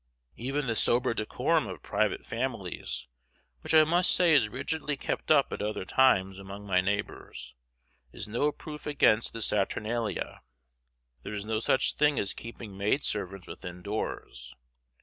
Even the sober decorum of private families, which I must say is rigidly kept up at other times among my neighbors, is no proof against this saturnalia. There is no such thing as keeping maid servants within doors.